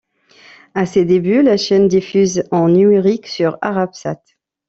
À ses débuts, la chaîne diffuse en numérique sur Arabsat.